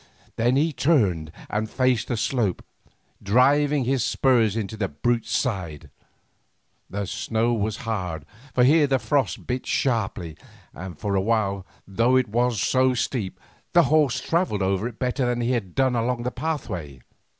Then he turned and faced the slope, driving his spurs into the brute's sides. The snow was hard, for here the frost bit sharply, and for a while, though it was so steep, the horse travelled over it better than he had done along the pathway.